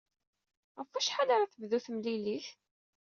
Ɣef wacḥal ara tebdu temlilit?